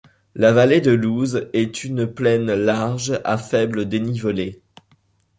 La vallée de l'Ouse est une plaine large à faible dénivelé.